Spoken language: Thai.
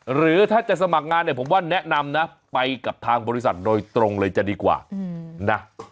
หรือถ้าจะสมัครงานเนี่ยผมว่าแนะนำนะไปกับทางบริษัทโดยตรงเลยจะดีกว่านะ